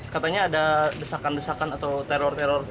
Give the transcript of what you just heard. katanya ada desakan desakan atau teror teror